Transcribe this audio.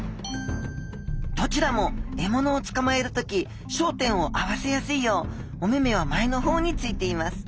どちらも獲物をつかまえる時焦点を合わせやすいようお目目は前の方についています